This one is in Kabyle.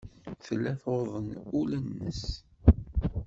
Tella tuḍen ul-nnes.